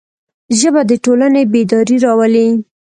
ژبه د ټولنې بیداري راولي